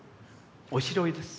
おしろいです。